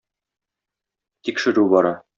Тикшерү бара.